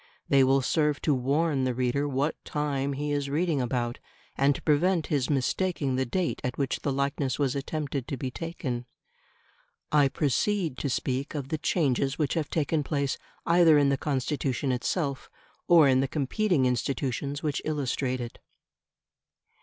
They will serve to warn the reader what time he is reading about, and to prevent his mistaking the date at which the likeness was attempted to be taken. I proceed to speak of the changes which have taken place either in the Constitution itself or in the competing institutions which illustrate it.